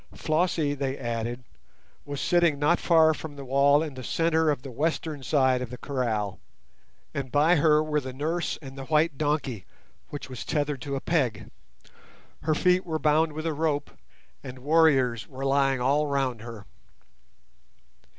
Flossie, they added, was sitting not far from the wall in the centre of the western side of the kraal, and by her were the nurse and the white donkey, which was tethered to a peg. Her feet were bound with a rope, and warriors were lying about all round her.